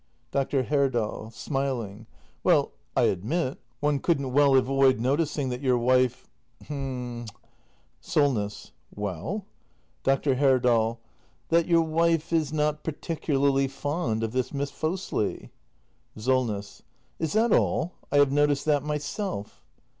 Dr. Herdal. [Smiling.] Well, I admit — one couldn't well avoid noticing that your wife — h'm SOLNESS. Well? Dr. Herdal. — that your wife is not particularly fond of this Miss Fosli. SOLNESS. Is that all ? I have noticed that myself.